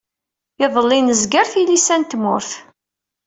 Iḍelli nezger tilisa n tmurt.